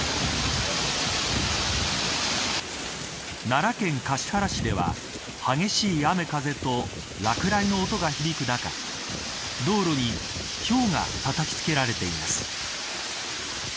奈良県橿原市では激しい雨風と落雷の音が響く中道路にひょうがたたきつけられています。